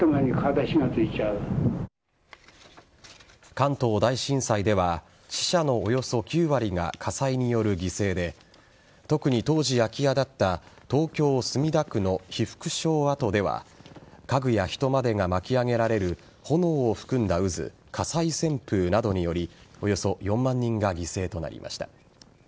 関東大震災では死者のおよそ９割が火災による犠牲で特に、当時空き家だった東京・墨田区の被服廠跡では家具や人までが巻き上げられる炎を含んだ火災旋風などによりおよそ４万人が犠牲となりました。